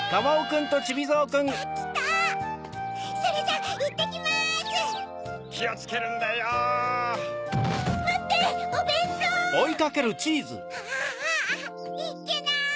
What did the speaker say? あっいっけない！